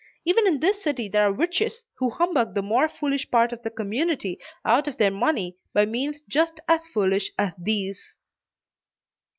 Even in this city there are "witches" who humbug the more foolish part of the community out of their money by means just as foolish as these.